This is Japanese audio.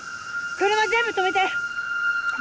車全部止めて！